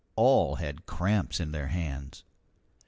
All had cramps in their hands.